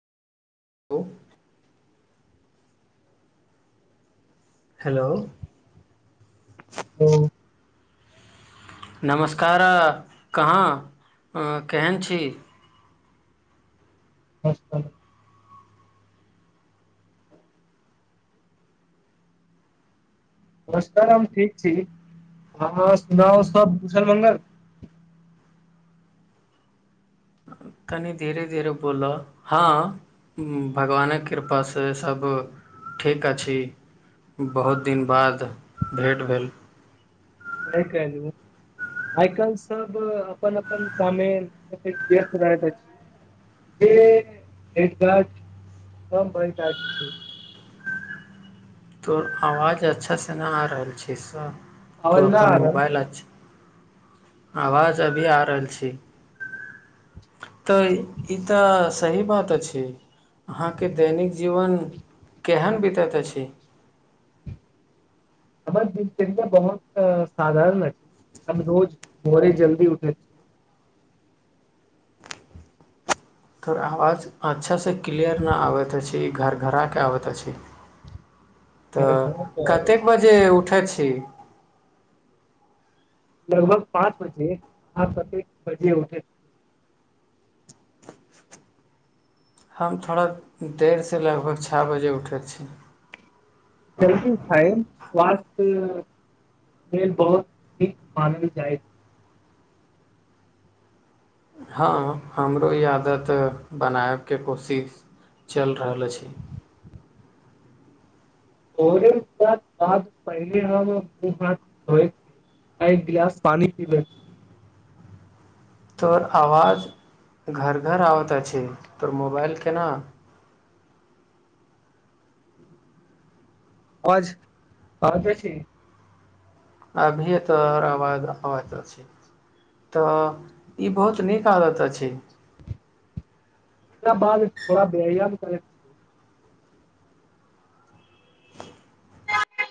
हो [inaudible] हेलो हूँ नमस्कारअ कहाँ केहन छी बस [inaudible] नमस्कारम ठीक छी अहाँ सुनाउ सब कुशल मगल तनि धीरे धीरे बोलऽ हँ भगवानक कृपासँ सभ ठीक अछि बहुत दिन बाद भेट भेल आइ काल आइ काल्हि सब अपन अपन कामे व्यस्त रहैत अछि जे भेट घांट कम भय जायत छै तोहर आवाज अच्छासँ नहि आ रहल छै साफ तु कारण अपन मोबाइल हमर अछि आवाज अभी आ रहल छै तऽ इ तऽ सही बात अछि अहाँके दैनिक जीवन केहन बीतैत अछि हमर दिनचर्या बहुत साधारण अछि हम रोज भोरे जल्दी उठैत छिय तोर आवाज अच्छासँ क्लियर नहि आबैत अछि घर घरा कऽ आबैत अछि तऽ घर घरक औरत कतेक छी। बजे उठै छी लगभग पाँच बजे आ कते बजे उठे हम थोड़ा देरसँ लगभग छः बजे उठै छी जल्दी उठाय स्वास्थ लेल बहुत नीक मानल जायत हँ हमरो ई आदत बनाबयके कोशिश चलि रहल अछि भोरे उठलाक बाद पहिने हम मुँह हाथ धोए एक गिलास पानी पीबै तोर आवाज घर घर आबत अछि तोर मोबाइल के ना आवाज आबैत अछि अभी तऽहर आवाज आबत अछि तऽ ई बहुत नीक आदत अछि ओकरा बादथोड़ा व्याम करैत